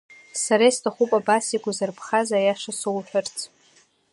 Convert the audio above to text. Сара исҭахуп абас игәазырԥхаз аиаша соуҳәарц!